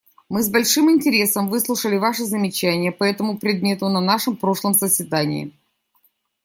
Мы с большим интересом выслушали Ваши замечания по этому предмету на нашем прошлом заседании.